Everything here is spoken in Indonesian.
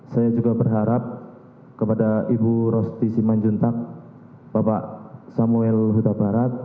saya juga berharap kepada ibu rosti simanjuntak bapak samuel huta barat